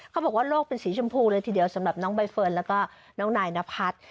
เขาบอกว่าโลกเป็นสีชมพูเลยทีเดียวสำหรับน้องใบเฟิร์นแล้วก็น้องนายนพัฒน์